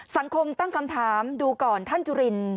สังคมตั้งคำถามดูก่อนท่านจุริน